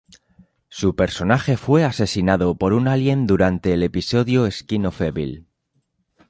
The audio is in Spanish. Su personaje fue asesinado por un alien durante el episodio "Skin of Evil.